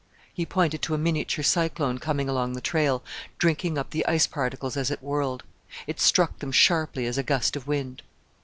He pointed to a miniature cyclone coming along the trail, drinking up the ice particles as it whirled. It struck them sharply as a gust of wind.